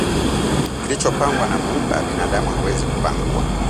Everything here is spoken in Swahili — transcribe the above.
Kilichopangwa na muumba binadamu hawezi kupangua